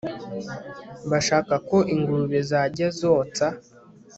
bashaka ko ingurube zanjye zotsa